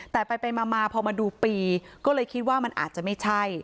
แต่ไปมาพอมาดูปีก็เลยคิดว่ามันอาจจะไม่ใช่